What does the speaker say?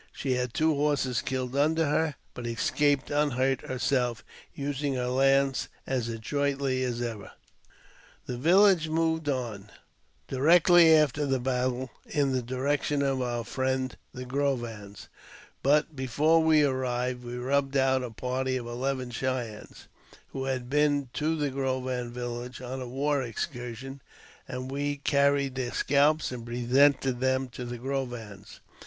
She had two horses killed under her, but escaped unhurt herself, using her lance as adroitly as ever. The village moved on, directly after the battle, in the direction of our friends the Grovans ; but, before we arrived, we rubbed out a party of eleven Cheyennes, who had been to the Grovan village on a war excursion, and we carried their scalps and presented them to the Grovans.